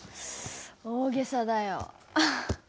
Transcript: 大げさだよ。